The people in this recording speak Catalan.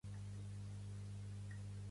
U d'Octubre és el dia més trist de la meva vida